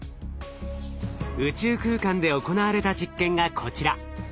宇宙空間で行われた実験がこちら。